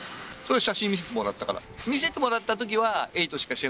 写真見せてもらったから。